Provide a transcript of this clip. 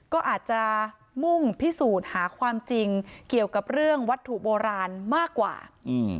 ก็อาจจะมุ่งพิสูจน์หาความจริงเกี่ยวกับเรื่องวัตถุโบราณมากกว่าอืม